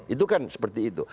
itu kan seperti itu